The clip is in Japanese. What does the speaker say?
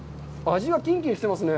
味がキンキンしてますね。